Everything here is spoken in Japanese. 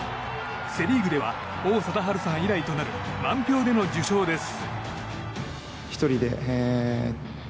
セ・リーグでは王貞治さん以来となる満票での受賞です。